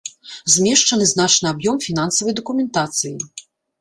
Змешчаны значны аб'ём фінансавай дакументацыі.